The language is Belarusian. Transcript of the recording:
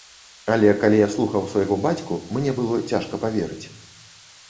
Але калі я слухаў свайго бацьку, мне было цяжка паверыць!